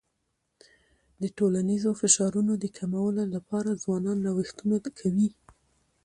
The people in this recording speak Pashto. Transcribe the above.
د ټولنیزو فشارونو د کمولو لپاره ځوانان نوښتونه کوي.